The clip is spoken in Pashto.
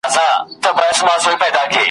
د طلا به دوه خورجینه درکړم تاته ,